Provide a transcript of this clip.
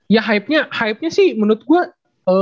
ya hype nya hype nya sih menurut gue